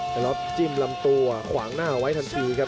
ล็อปจิ้มลำตัวขวางหน้าไว้ทันทีครับ